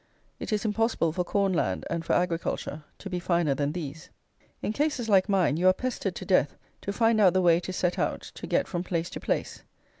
It is impossible for corn land and for agriculture to be finer than these. In cases like mine, you are pestered to death to find out the way to set out to get from place to place.